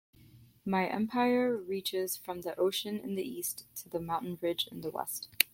My empire reaches from the ocean in the East to the mountain ridge in the West.